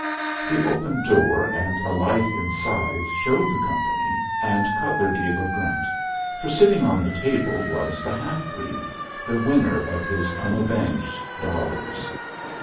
The open door and a light inside showed the company, and Cutler gave a grunt, for sitting on the table was the half breed, the winner of his unavenged dollars.